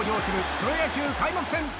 プロ野球開幕戦！